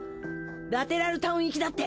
ラテラルタウン行きだって。